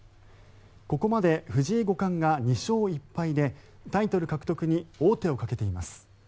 ここまで藤井五冠が２勝１敗でタイトル獲得に王手をかけています。